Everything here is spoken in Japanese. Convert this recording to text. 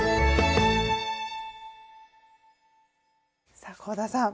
さあ香田さん